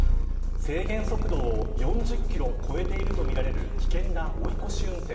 制限速度を４０キロ超えているとみられる危険な追い越し運転。